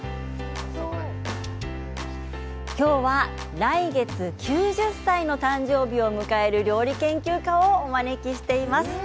今日は来月９０歳の誕生日を迎える料理研究家をお招きしています。